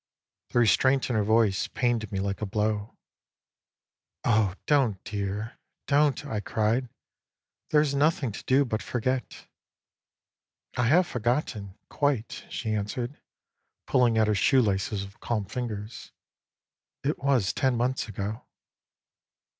The restraint in her voice pained me like a blow. " Oh, don't, dear, don't !" I cried. " There is nothing to do but forget." " I have forgotten, quite," she answered, pulling at her shoe laces with calm fingers. " It was ten months ago."